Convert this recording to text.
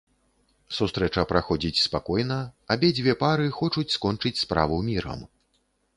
Сустрэча праходзіць спакойна, абедзве пары хочуць скончыць справу мірам.